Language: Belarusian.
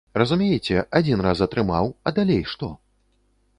Разумееце, адзін раз атрымаў, а далей што?